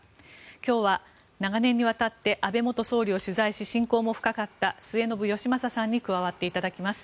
今日は長年にわたって安倍元総理を取材し親交も深かった末延吉正さんに加わっていただきます。